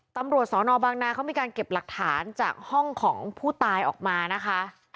ตำรวจสอนอบางนาเขามีการเก็บหลักฐานจากห้องของผู้ตายออกมานะคะ